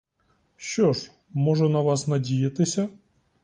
Що ж, можу на вас надіятися?